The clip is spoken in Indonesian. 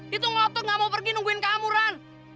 di tuh ngotot gak mau pergi nungguin kamu ran